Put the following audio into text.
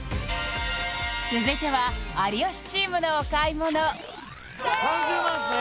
続いては有吉チームのお買い物３０万ですね？